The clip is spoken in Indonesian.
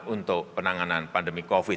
untuk penanganan pandemi covid sembilan belas